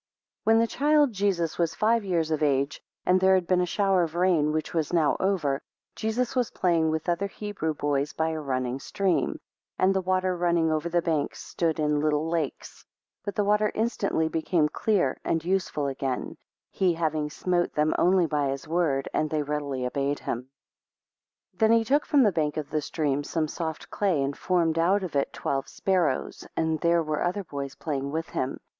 2 When the child Jesus was five years of age, and there had been a shower of rain, which was now over, Jesus was playing with other Hebrew boys by a running stream; and the water running over the banks, stood in little lakes; 3 But the water instantly became clear and useful again; he having smote them only by his word, they readily obeyed him. 4 Then he took from the bank of the stream some soft clay, and formed out of it twelve sparrows; and there were other boys playing with him.